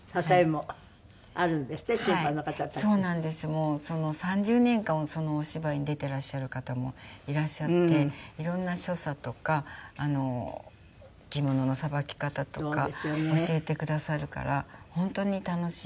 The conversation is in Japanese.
もう３０年間そのお芝居に出ていらっしゃる方もいらっしゃって色んな所作とか着物のさばき方とか教えてくださるから本当に楽しいです。